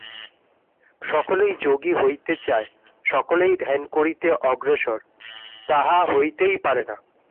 সকলেই যোগী হইতে চায়, সকলেই ধ্যান করিতে অগ্রসর! তাহা হইতেই পারে না।